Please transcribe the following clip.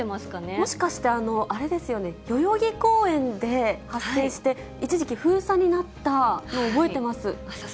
もしかして、あれですよね、代々木公園で発生して、一時期封鎖になったのを覚えてます。